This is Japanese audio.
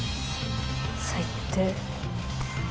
最低。